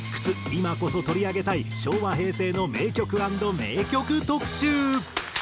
今こそ取り上げたい昭和・平成の名曲＆迷曲特集。